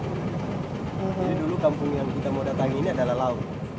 jadi dulu kampung yang kita mau datangin ini adalah laut